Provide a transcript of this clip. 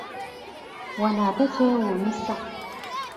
Wano ate kyewuunyisa!